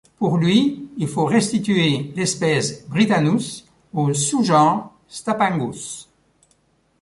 Pour lui, il faut restituer l’espèce britannus au sous-genre Spatangus.